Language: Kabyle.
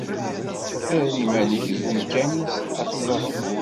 Err iman-ik deg umkan-is, ad teẓreḍ.